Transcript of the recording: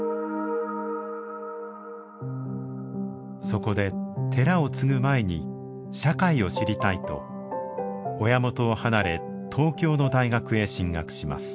そこで寺を継ぐ前に社会を知りたいと親元を離れ東京の大学へ進学します。